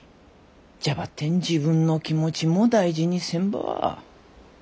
じゃばってん自分の気持ちも大事にせんば。